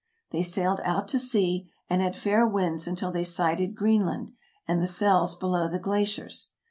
They sailed out to sea, and had fair winds until they sighted Greenland and the fells below the glaciers.